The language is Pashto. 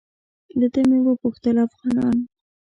له ده مې وپوښتل افغانان.